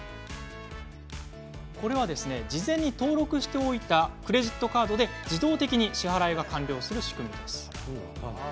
事前に登録しておいたクレジットカードで自動的に支払いが完了する仕組みです。